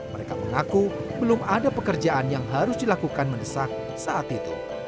mereka mengaku belum ada pekerjaan yang harus dilakukan mendesak saat itu